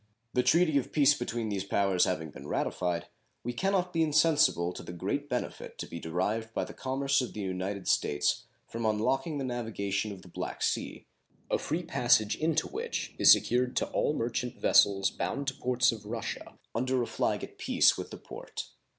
The treaty of peace between these powers having been ratified, we can not be insensible to the great benefit to be derived by the commerce of the United States from unlocking the navigation of the Black Sea, a free passage into which is secured to all merchant vessels bound to ports of Russia under a flag at peace with the Porte.